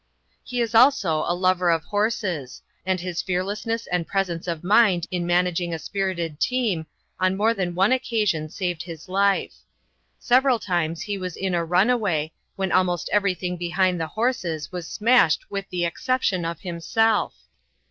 He is a lover also of horses, and his fearlessness and presence of mind in managing a spirited team on more than one occasion saved his life. Several times he was in a runaway, when almost everything behind the horses was smashed with the exception of himself.